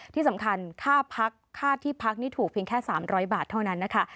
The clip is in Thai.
ที่สำคัญค่าพักค่าที่พักนี่ถูกเพียงแค่๓๐๐บาทเท่านั้นนะคะ